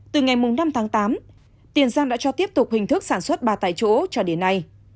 từ ngày năm tháng tám tiền giang đã cho tiếp tục hình thức sản xuất ba tại chỗ cho đến nay